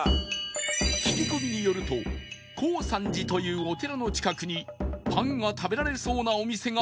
聞き込みによるとコウサンジというお寺の近くにパンが食べられそうなお店があるという